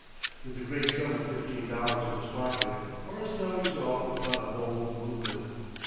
With the great sum of fifteen dollars in his pocket, Horace now resolved upon a bold movement.